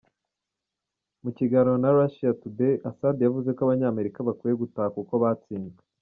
Mu kiganiro na Russia Today, Assad yavuze ko Abanyamerika bakwiye gutaha kuko batsinzwe.